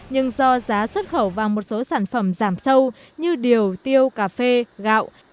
nhưng do giá xuất khẩu và một số sản phẩm giảm sâu như điều tiêu cà phê gạo